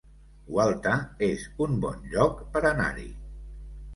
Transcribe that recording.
Gualta es un bon lloc per anar-hi